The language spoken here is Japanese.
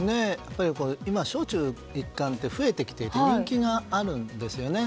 今、小中一貫って増えてきていて人気があるんですよね。